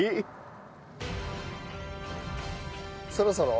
そろそろ？